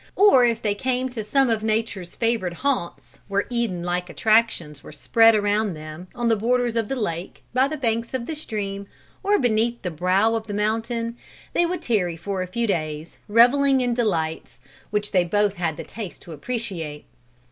Or if they came to some of nature's favored haunts, where Eden like attractions were spread around them, on the borders of the lake, by the banks of the stream, or beneath the brow of the mountain, they would tarry for a few days, reveling in delights, which they both had the taste to appreciate.